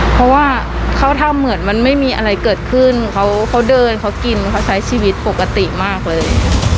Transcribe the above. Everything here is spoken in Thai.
เพราะว่าเขาทำเหมือนมันไม่มีอะไรเกิดขึ้นเขาเดินเขากินเขาใช้ชีวิตปกติมากเลย